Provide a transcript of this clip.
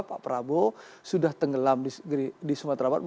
pak prabowo sudah tenggelam di sumatera barat